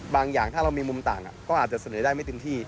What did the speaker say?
บางอย่างถ้าเรามีมุมต่างก็อาจจะเสียด้วยไม่ตรงที่